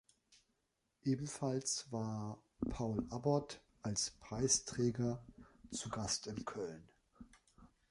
Ebenfalls war Paul Abbott als Preisträger zu Gast in Köln.